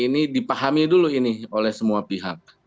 ini dipahami dulu ini oleh semua pihak